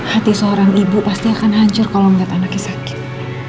hati seorang ibu pasti akan hancur kalau melihat anaknya sakit